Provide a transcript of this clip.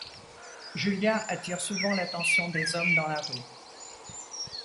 Julia attire souvent l'attention des hommes dans la rue.